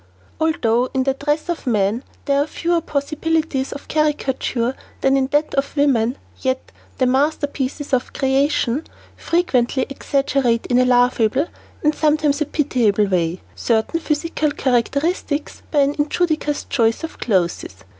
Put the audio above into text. Although in the dress of man there are fewer possibilities of caricature than in that of woman, yet, "the masterpieces of creation" frequently exaggerate in a laughable and sometimes a pitiable way, certain physical characteristics by an injudicious choice of clothes.